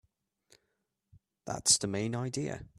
That's the main idea.